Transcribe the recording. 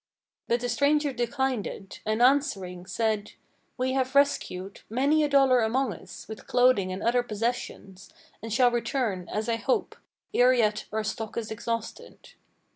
But the stranger declined it, and, answering, said: "We have rescued Many a dollar among us, with clothing and other possessions, And shall return, as I hope, ere yet our stock is exhausted."